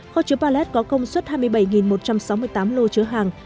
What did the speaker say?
kho chứa pallet có công suất hai mươi bảy một trăm sáu mươi tám lô chứa hàng